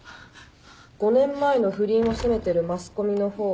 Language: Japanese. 「５年前の不倫を責めてるマスコミの方が異常」とか。